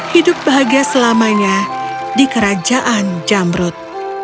hidup bahagia selamanya di kerajaan jamrut